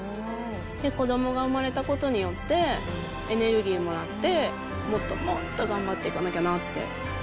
子どもが生まれたことによって、エネルギーもらって、もっともっと頑張っていかなきゃなって。